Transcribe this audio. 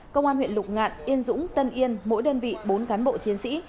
công an huyện lục ngạn yên dũng tân yên mỗi đơn vị bốn cán bộ chiến sĩ